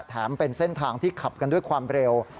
เป็นเส้นทางที่ขับกันด้วยความเร็ว